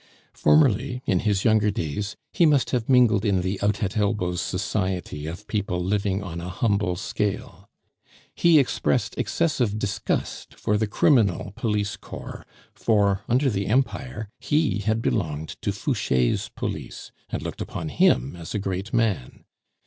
Formerly, in his younger days, he must have mingled in the out at elbows society of people living on a humble scale. He expressed excessive disgust for the criminal police corps; for, under the Empire, he had belonged to Fouche's police, and looked upon him as a great man.